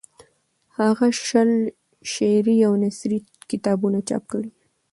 هغه شل شعري او نثري کتابونه چاپ کړي.